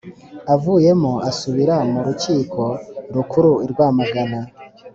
Avuyemo asubira mu Rukiko Rukuru i Rwamagana